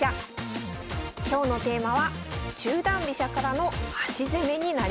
今日のテーマは中段飛車からの端攻めになります